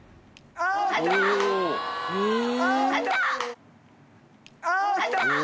あっきた！